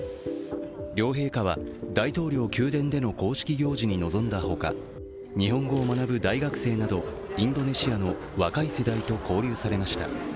両陛下は、大統領宮殿での公式行事に臨んだほか日本語を学ぶ大学生などインドネシアの若い世代と交流されました。